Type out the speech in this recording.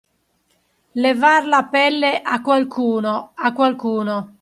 Levar la pelle a qualcuno a qualcuno.